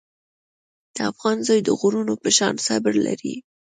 د افغان زوی د غرونو په شان صبر لري.